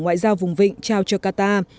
ngoại giao vùng vịnh trao cho qatar